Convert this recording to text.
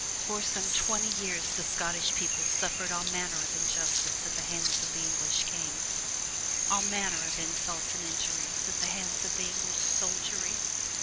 For some twenty years the Scottish people suffered all manner of injustice at the hands of the English king, all manner of insults and injuries at the hands of the English soldiery.